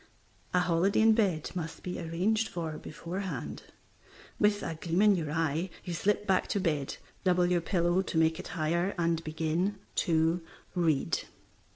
A holiday in bed must be arranged for beforehand. With a gleam in your eye you slip back to bed, double your pillow to make it higher, and begin to read.